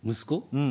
うん。